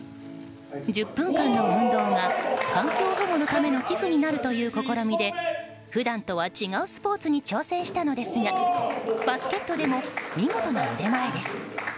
１０分間の運動が環境保護のための寄付になるという試みで普段とは違うスポーツに挑戦したのですがバスケットでも見事な腕前です。